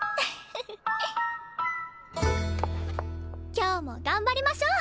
今日も頑張りましょう！